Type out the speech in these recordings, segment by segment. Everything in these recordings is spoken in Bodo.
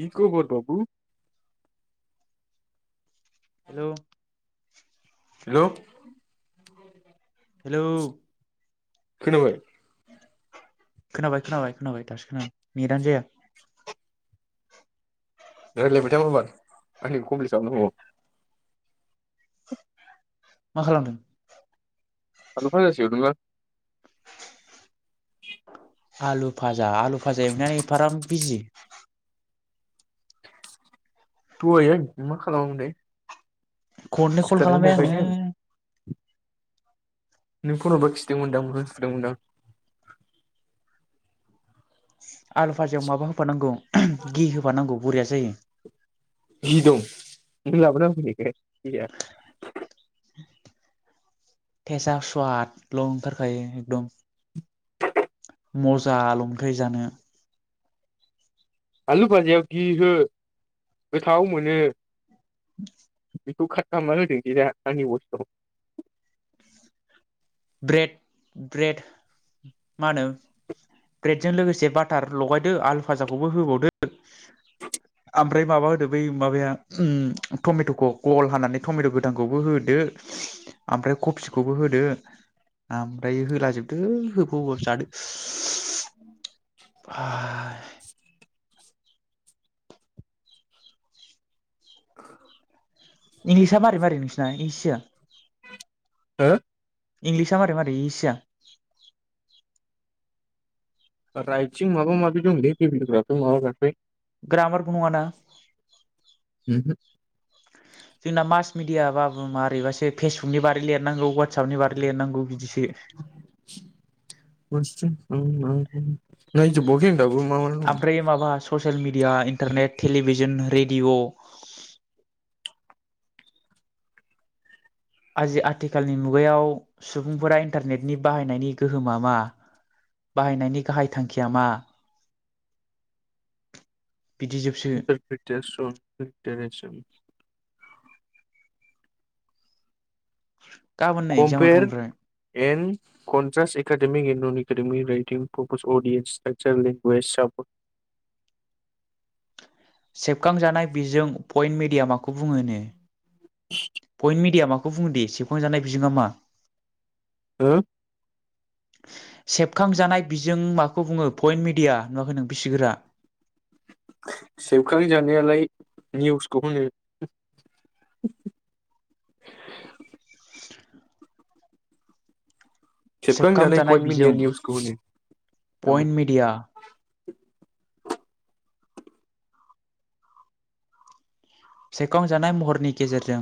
खि खबर बाबु? हेलौ। [inaudible] Hello hello. खोनोबाय? खोनाबाय खोनाबाय खोनाबाय दासो खोनादों‌ नेदानो जाया। रायलायबाय था माबार आंनिखौ खमफ्लित खालामनांगौ। मा खालामदों? आलु फाजासो एवदोंमोन। आलु फाजा, आलु। फाजा एवनाया एफाग्राब बिजि? [inaudible] दहायो मा खालामामोन थाय? खननै कल खालामबाय आङो नों फन हरबाय खिथदोंमोनदां, मोखां सुदोंमोनदां? आलु फाजायाव माबा होफानांगौ, घि होफानांगौ बरिया जायो। घि दं नों लाबोना होफैखाय घिया? थेेजा सुवादल' ओंखारखायो एकदम। मजा ल' मोनखायो जानो। आलु भाजायाव घि हो गोथाव मोनो। [inaudible] [unintelligible] ब्रेड-ब्रेड मा होनो ब्रेडजों लोगोसे बाटार लगायदो आलु फाजाखौबो होबावदो आ ओमफ्राय माबा होदो बै माबाया ओम टमेट'खौ गल हानानै टमेट' गोथांखौबो होदो, ओमफ्राय कफिखौबो होदो ओमफ्राय होला जोब है होफब- होफब जादो सुब। हा [inaudible] इंलिसाआ मारै मारै नोंसिना इस होआ? हो? इंलिसआ मारै मारै इस होआ? रायथिं माबा माबि दंलै ग्रामारबो नङा ना? जोंना मास मिडियाबाबो माबारैबासो फेसबुकनि बारै लिरनांगौ वाटससपनि बारै लिरनांगौ बिदिसो। [unintelligible] Social media, internet, television, radio आजि-आथिखालनि मुगायाव सुबुंफोरा इन्टारनेटनि बाहायनायनि गोहोमा मा, बाहायनायनि गाहाय थांखिया मा? बिदिजोबसो [inaudible] गाबोननो एगजामाथ' कमपेर ओमफ्राय एन कन्टास एका [unintelligible] सेबखांजानाय बिजों पइन्ट मेडिया माखौ बुङोनो? बेखौ बुंङोदे सेबफखांजानाय बिजोङा मा? हो? सेबखांजानाय बिजों माखौ बुङो पइन्ट मिडिया नुवाखै नों बिसिगोरा। सेबखांजानायालाय निउसखौ होनो। [inaudible] सेबखांजानाय पइन्ट मिडिया निउसखौ होनो। पइन्ट मिडिया सेबखांजानाय महरनि गेजेरजों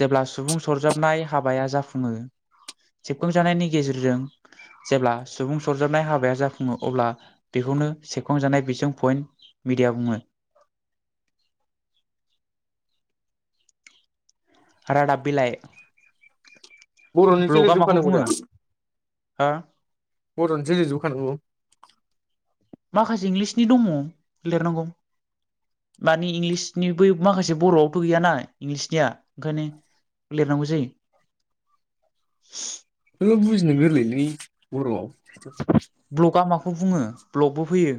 जेब्ला सुबुं सरजाबनाय हाबाया जाफुङो सेबखांजानायनि गेजेरजों जेब्ला सुबुं सरजाबनाय हाबाया जाफुङो अब्ला बेखौनो सेबखांजानाय बिजों पइन्ट मिडिया बुङो। राडाब बिलाय। बर'निसो लिरजोब खानांगौ दा हो बर'निसो लिरजोब खानांगौ। माखासे इंलिसनि दङ लिरनांगौ मानि इंलिसनिबो बै माखासे बर'आवबो गैयाना इंलिसनिया ओंखायनो लिरनांगौ जायो। नोङो बुजिनो गोरलैलै बर'आव। ब्लगा माखौ बुङो? ब्लगबो फैयो।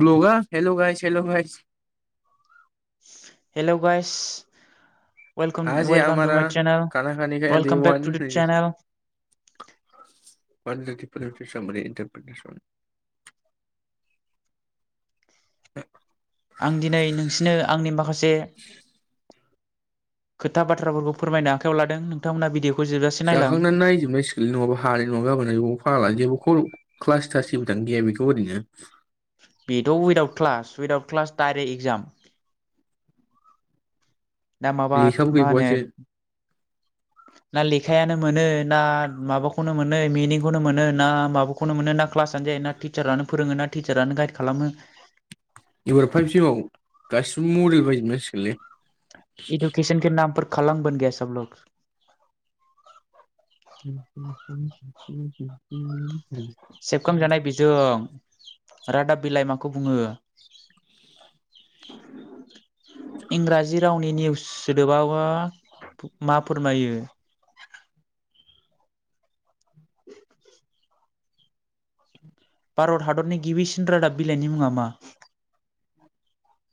ब्लगा hello guys hello guys. Hello guys. Welcome आज है वेल काम तु हमारा माइ चेनेल खाना खाने का वेल काम देवान बेक तु दा चेनेल। ब्र सम इारसन [inaudible] आं दिनै नोंसिनो आंनि माखासे खोथा बाथ्राफोरखौ फोरमायनो आखायाव लादों नोंथांमोना भिडिअखौ जोबजासे नायलां जाखांनानै नायजोबनाय नांसिगोनलै नङाबा हानाय नङा गाबोन बबाव फागलानो जेबो खर' क्लासथासबो दां गैया बेखौ ओरैनो। बेथ' without class without class direct exam. दा माबा लेखाबो मा होनो? गैबावासो ना लेखायानो मोनो ना माबाखौनो मोनो मिनिंखौनो मोनो ना माबाखौनो मोनो ना क्लासनो जायो ना टिचारानो फोरोङो ना टिचारानो गाइड खालामो? एबार फाइभ सिमाव गासिबो मडेल बायजोब नांसिगोनलै। एडुकेसन के नाम पर। खलां बोन गया सबलग। उ [inaudible] सेबखांजानाय बिजों। रादाब बिलाइ माखौ बुङो? इंराजि रावनि निउस सोदोबाबा मा फोरमायो? [inaudible] भारत हादरनि गिबिसिन रादाब बिलाइनि मुङा मा?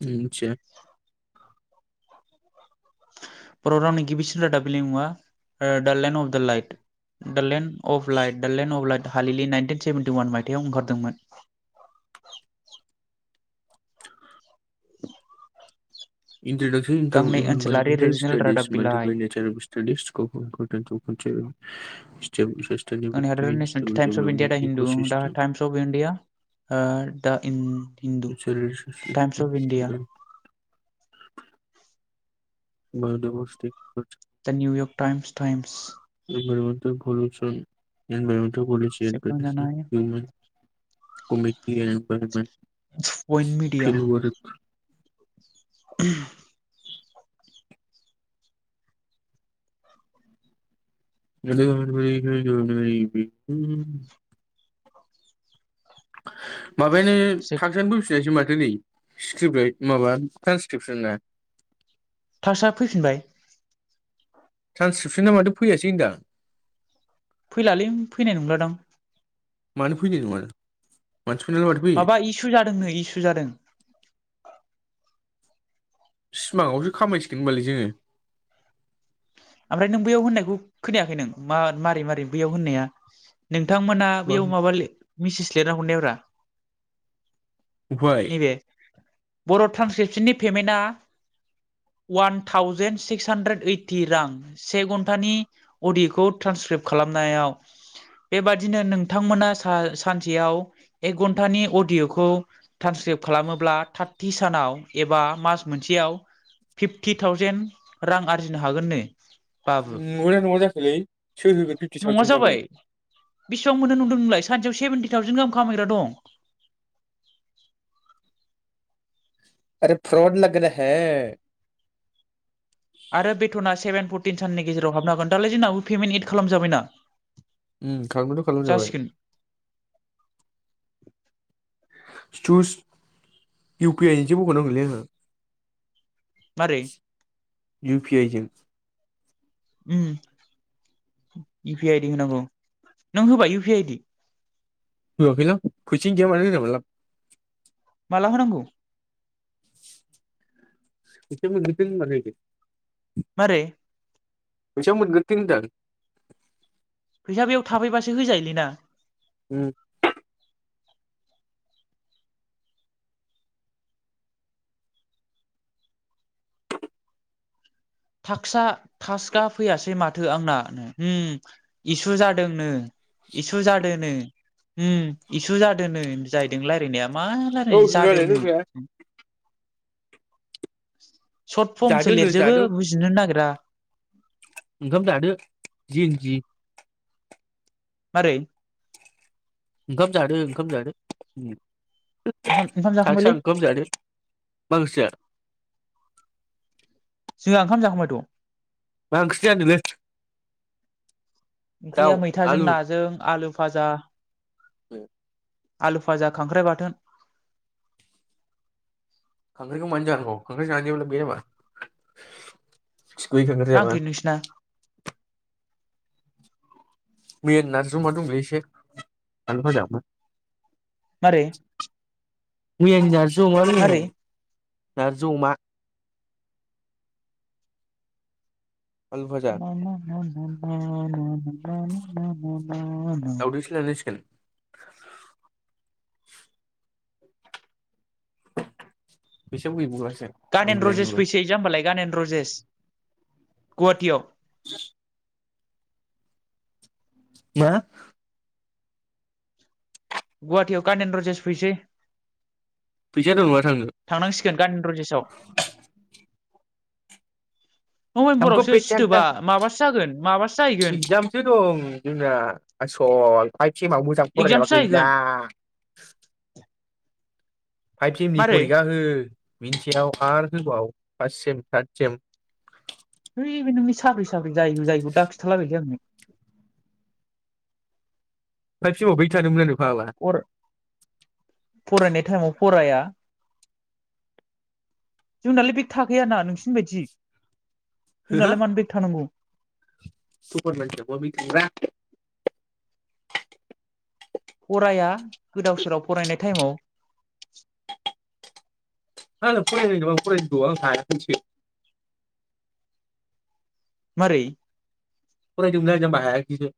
आं मिथिया। बर' रावनि गिबिसिन रादाब बिनि मुङा the land of the light the land. Of light the land of light. हालिलि नाइनटिन सेभेेनटि वान मायथाइयाव ओंखारदोंमोन गांनै ओनसोलारि रिजनेल रादाब बिलाइ [unintelligible] [unintelligible] [unintelligible] इन स्टेबल टाइमस अफ इिया development the Hindu the ecosystem times of India ओ दा इन [unintelligible] बाय'दायबरसिथि दा निउयर्क टाइम्स टाइम्स सेबखांजानाय [unintelligible] पइन्ट मिडिया [unintelligible] [unintelligible] [unintelligible] माबायानो सेब थाक्स आनो फैफिनायसै माथ [unintelligible] माबा टान्सक्रिपसन ना ताक्सआ फैफिनबाय ट्रान्सक्रिपसना माथो फैयासै होनदों आं फैलालै फैनाय नंलादां मानो फैनाय नङा मानसिफोरनाल माथो फैयो माबा इसु जादोंनो इसु जादों सिमाङावसो खामायसिगोन होनबालाय जोङो ओमफ्राय नों बैयाव होननायखौ खोनायाखै नों मा मारै मारो बैयाव होननाया नों थांमोनहा बैयाव माबा मेसेज लिरना हरनाया ब्रा अफाय बर' ट्रेन्सक्रिपसननि पेमेन्टआ one thousand six hundred eighty रां से घन्टानि अडिय'खौ ट्रान्सक्रिब खालामनायाव बेबादिनो नोंथांमोना सा सानसेयाव एक घन्टानि अडिय'खौ ट्रान्सक्रिब खालामोब्ला थारथि सानाव एबा मास मोनसेयाव फिफ्टि थावजेन रां आरजिनो हागोननो बाबु नंगौना नङा जाखोलै सोर होगोन फिफ्टि नङा थावजेन जाबाय खामलाय बेसेबां मोनो नंदों नोंलाय सानसेयाव सेभेेनटि थावजेन्ड गाहाम खामायग्रा दं आरे फ्र'ड लगड़ा है आरो बेथना सेभेन फुट टिन साननि गेजेरावा हाबनो हागोन दालाय जोंनाबो पेमेन्ट एड खालाम जाबायना उम खालामाथ' खालामजाबाय [inaudible] [unintelligible] इउपिआइ जोंसो बखनांगोनलै आंहा मारै इउ पि आइ जों उम इउ पि आइ दि होनांगौ नों होबाय इउ पि आइदि? होआखै दां [unintelligible] माला होनांगौ? एसोर मोननै दोंमारो इदिब? मारै? फैसा मोनग्रोथों होनदां। फैसा बेयाव थाफैबासो होजायोलै ना? उम थाकसआ थासका फैयासै माथो आंना उम इसु जादोंनो। इसु जादो नो। उम इसु जादो नो जाहैदों लायरायनाया। मा औ लारायनो होननानै जादोनो दोनखाया [inaudible] सर्ट फर्मसो जादोनो लिरजोबो जादो बुजिनो नागिरा। जिनजि। मारै? ओंखाम जादो ओंखाम जादो। ओंखाम ओंखाम जाखांबायलै सासेया ओंखाम जादो मा ओंख्रि जाया? जोंहा ओंखाम जाखांबायथ' मा ओंख्रि जादोलै? ओंख्रिया मैथाजों आलु नाजों आलु फाजा। उम आलु फाजा खांख्राइ बाथोन। खांख्राइखौ मानो जाख' खांख्राइ जानायाव लुबैयो मा? खिगुयो खांख्राय मा जाबा। ओंख्रि नोंसिना मैयानि नारजि अमा दंलै एसे आलु फाजा आमफाय। मारै? मैयानि जास जौ अमा बेदर। मारै नारजि अमा। आलु भाजा मा मा होम? [unintelligible] दाउदैसो लायनां सिगोन। [inaudible] बेसां बुयो बुगास गानेन्द रजेस फैसै जाम्बालाय गानेन्द। रजेस गुवाहाटियाव। सुस। मा? गुवाहाटियाव गानेनद्र जेस फैसै फैसा दं नामा थांनो थांनांसिगोन गानेनद्र जेसाव। नभेम्बरावसो हामख'फेसानथा सिथोबा माबासो जागोन माबासो जाहैगोन एगजामसो दं जोंना आसल। फाइभ सेमाव मोजां एगजामसो फरायाबा गैला। जाहैगोन फाइभ सेम नि मारै फरिखा हो। बिनिसायाव आरो होबाव पाससेम थातसेम। है बे नोंनि साब्रैसो [unintelligible] जायिबो जायिबोखौ दा खिथालाबायलै आंनो। फाइभ सेमाव बेग थादोंमोन आरो? फाग्ला फर फरायनाय थाइमाव फराया। जोंनालाय बेग थाखायाना नोंसिनि बायदि। हो जोंनालाय मानो बेक थानांगौ? [unintelligible] फराया गोदाव सोराव फरायनाय टाइमाव। [unintelligible] फराया जायो नामा फरायोथ' आं हायाखैसो। मारै? फरायदोंमोनलै जामबा हायाखिसो।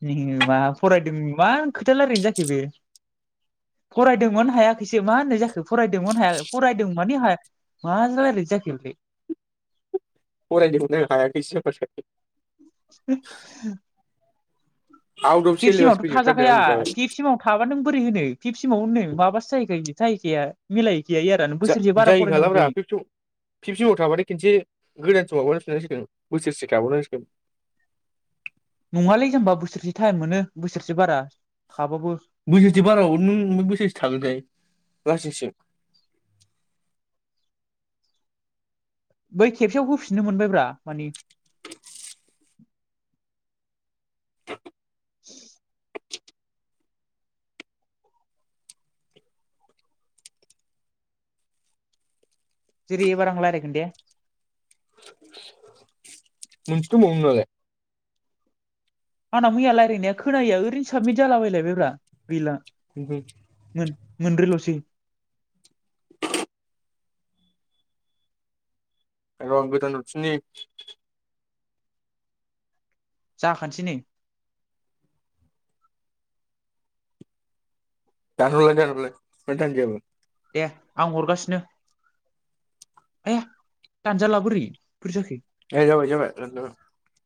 [unintelligible] नोमा फरायदों मा खोथाया रायलायनाय जाखो बे फरायदोंमोन हायाखैसो मा होननाय जाखो फरायदोंमोन हाया फरायदों मानि हाया मा रायलायनाय जाखो बे? फरादोंमोन आङो हायाखैसो। बोसे [unintelligible] आउट अफ फिब सिलेबास सिमावथ' फैजोबथारदों थाजाखाया आंनि थाखाय फिब सिमाव थाबा नों बोरै होनो फिब सिमाव होनो? माबासो जाहैखायो जाहैखाया मिलाय जा जाहैखालाब्रा फिफ सेम फिफ सेमाव थाबाथाय खेनसे गोदान सो माबाहोफिनांसिगोन। बोसोरसे गाबावनांसिगोन। नङालै जामबा बोसोरसे थ बोसोरसे बारायाव नों बोसोरसे थागोनखाय लासिंसिं बै खेबसेयाव होफिननो मोनबायब्रा मानि [inaudible] जेरै एबा आं रायलायगोन दे। मोनबैसे दंबावो नोंनालाय? आंना मैया रायलायनाया खोनायैया ओरैनो साबमिट जालाबायलाय बाय ब्रा। गैला मोन मोनब्रैल'सै। र 'आं गोदान हरफिननि। जाखानसै नै। दानहरलाय दानहरलाय माथो दानजायाबो। दे आं हरगासिनो आया दानजाला बोरै बोरै जाखो? ए जाबाय जाबाय [unintelligible]